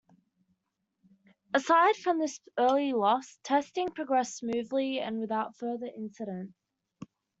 Aside from this early loss, testing progressed smoothly and without further incident.